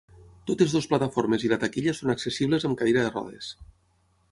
Totes dues plataformes i la taquilla són accessibles amb cadira de rodes.